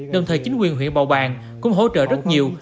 đồng thời chính quyền huyện bào bàng cũng hỗ trợ rất nhiều